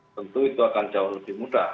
tentu itu akan jauh lebih mudah